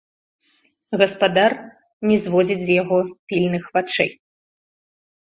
Гаспадар не зводзіць з яго пільных вачэй.